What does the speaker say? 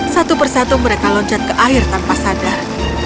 satu persatu mereka loncat ke air tanpa sadar